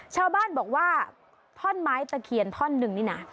ชาวบ้านบอกว่าท่อนไม้ตะเคียนท่อนหนึ่งนี่นะ